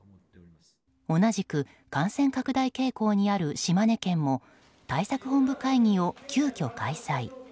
同じく感染拡大傾向にある島根県も対策本部会議を急きょ開催。